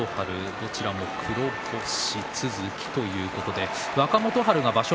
どちらも黒星続きということで若元春が場所